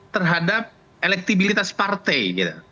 terhadap elektibilitas partai